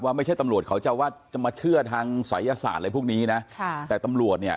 ว่าไม่ใช่ตำรวจเขาจะแม่เชื่อทางสายอาสารอะไรพวกนี้นะแต่ตำรวจ